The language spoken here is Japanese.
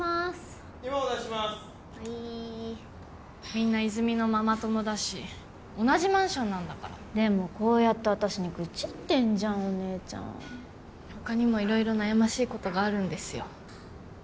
みんな泉実のママ友だし同じマンションなんだからでもこうやって私にグチってんじゃんお姉ちゃん他にも色々悩ましいことがあるんですよ